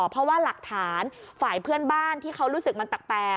เพราะว่าหลักฐานฝ่ายเพื่อนบ้านที่เขารู้สึกมันแปลก